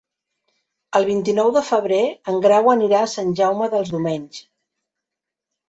El vint-i-nou de febrer en Grau anirà a Sant Jaume dels Domenys.